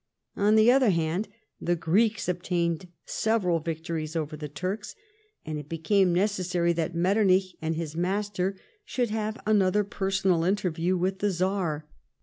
On the other hand, the Greeks obtained several victories over the Turks, and it became necessary that Metternich and his master should have another personal interview with the Czar.